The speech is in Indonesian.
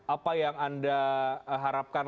apa yang anda harapkan